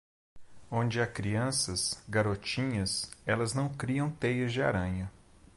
Onde há crianças, garotinhas, elas não criam teias de aranha.